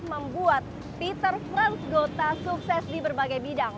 membuat peter franz gota sukses di berbagai bidang